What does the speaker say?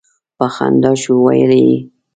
په خندا شو ویل یې.